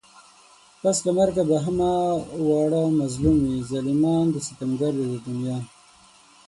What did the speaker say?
پس له مرگه به همه واړه مظلوم وي ظالمان و ستمگار د دې دنيا